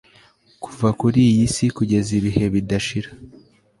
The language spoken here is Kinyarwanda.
kuva kuri iyi si kugeza ibihe bidashira